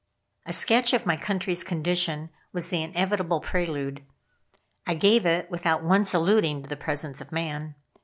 A sketch of my country's condition was the inevitable prelude. I gave it without once alluding to the presence of Man.